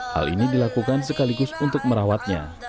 hal ini dilakukan sekaligus untuk merawatnya